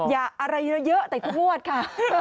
อย่าอะไรเยอะแต่ทุกวัดค่ะ